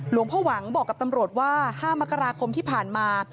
หลวงพ่อหวังบอกกับตำรวจว่า๕มกราคมที่ผ่านมา